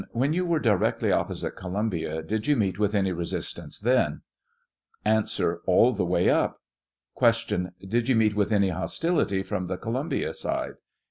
When you were directly opposite Columbia did you meet with any resistance then ? A. All the way up. Q. Did you meet with any hostility from the Colum bia side